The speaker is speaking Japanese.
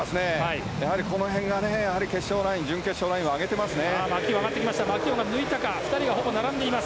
やはり、この辺が準決勝ラインを上げていますね。